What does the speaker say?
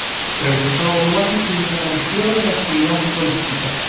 Regresó a Uruguay y desapareció de la actividad futbolística.